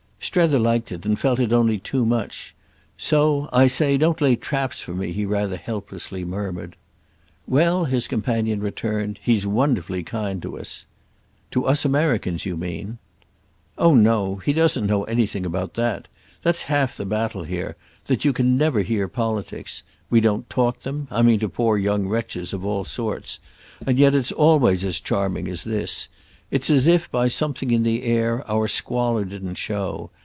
Strether liked it and felt it only too much; so "I say, don't lay traps for me!" he rather helplessly murmured. "Well," his companion returned, "he's wonderfully kind to us." "To us Americans you mean?" "Oh no—he doesn't know anything about that. That's half the battle here—that you can never hear politics. We don't talk them. I mean to poor young wretches of all sorts. And yet it's always as charming as this; it's as if, by something in the air, our squalor didn't show.